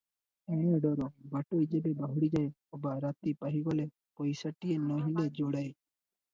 ଏଣେ ଡର, ବାଟୋଇ ଯେବେ ବାହୁଡ଼ିଯାଏ, ଅବା ରାତି ପାହିଗଲେ ପଇସାଟିଏ ନୋହିଲେ ଯୋଡ଼ାଏ ।